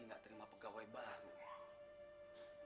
ini gak terima pegawai baru